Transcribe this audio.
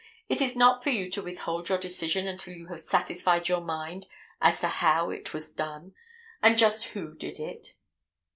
It is not for you to withhold your decision until you have satisfied your mind as to how it was done, and just who did it.